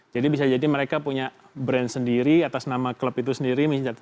jadi bisa jadi mereka punya brand sendiri atas nama klub itu sendiri